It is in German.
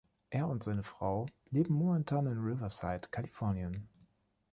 Er und seine Frau leben momentan in Riverside, Kalifornien.